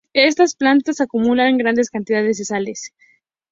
Estas plantas acumulan grandes cantidades de sales.